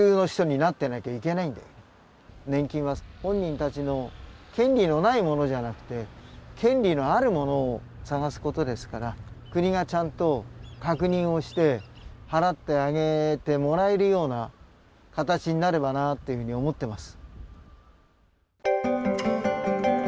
年金は本人たちの権利のないものじゃなくて権利のあるものを探すことですから国がちゃんと確認をして払ってあげてもらえるような形になればなというふうに思ってます。